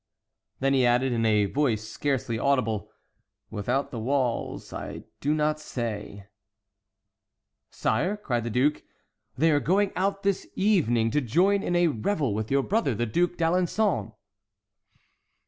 Then he added, in a voice scarcely audible,—"Without the walls, I do not say"— "Sire," cried the duke, "they are going out this evening to join in a revel with your brother, the Duc d'Alençon."